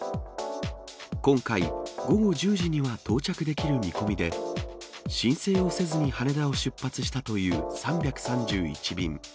今回、午後１０時には到着できる見込みで、申請をせずに羽田を出発したという３３１便。